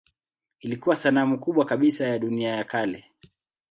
Ilikuwa sanamu kubwa kabisa ya dunia ya kale.